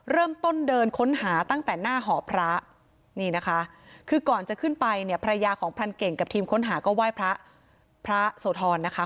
เริ่มต้นเดินค้นหาตั้งแต่หน้าหอพระนี่นะคะคือก่อนจะขึ้นไปเนี่ยภรรยาของพรานเก่งกับทีมค้นหาก็ไหว้พระพระโสธรนะคะ